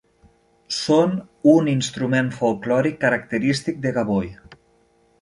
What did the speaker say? Són un instrument folklòric característic de Gavoi.